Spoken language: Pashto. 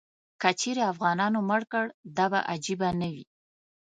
که چیرې افغانانو مړ کړ، دا به عجیبه نه وي.